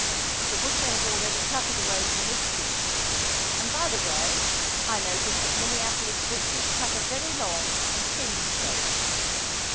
The butcher has already cut it away from this piece, and, by the way, I notice that Minneapolis butchers cut a very long and thin steak.